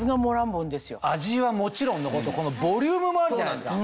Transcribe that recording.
味はもちろんのことボリュームもあるじゃないですか